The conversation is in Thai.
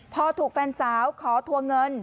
พอถูกแฟนสาวขอทวงเงิน